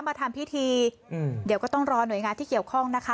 มาทำพิธีอืมเดี๋ยวก็ต้องรอหน่วยงานที่เกี่ยวข้องนะคะ